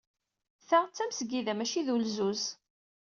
Ta d tamesgida, maci d ulzuz.